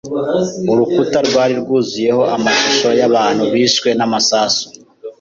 Urukuta rwari rwuzuyeho amashusho y’abantu bishwe n’amasasu.